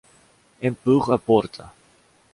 Empurre a porta